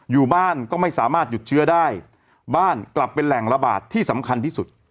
อยู่บ้านก็ไม่สามารถหยุดเชื้อได้บ้านกลับเป็นแหล่งระบาดที่สำคัญที่สุด